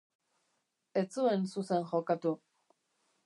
Ez zuen zuzen jokatu.